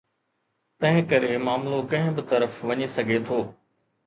تنهنڪري معاملو ڪنهن به طرف وڃي سگهي ٿو.